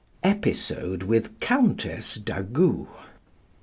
Episode with Countess D'Agoult.